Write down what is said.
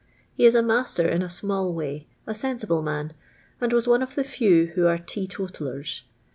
He is a master in a small way, a sensible man, and was one of the few who are teetotallers.